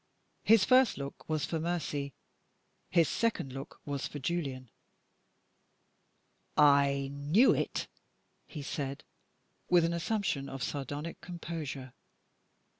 His first look was for Mercy; his is second look was for Julian. "I knew it!" he said, with an assumption of sardonic composure.